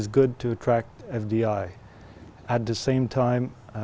trong thời gian này